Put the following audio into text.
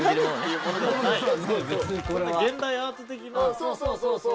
そうそうそうそう。